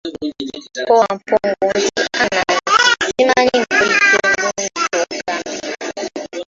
Ko Wampungu nti, Anansi, simanyi mpulidde bulungi ky'ogambye?